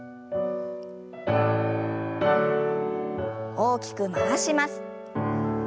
大きく回します。